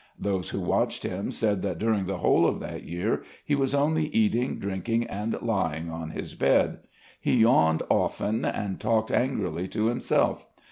Those who watched him said that during the whole of that year he was only eating, drinking, and lying on his bed. He yawned often and talked angrily to himself.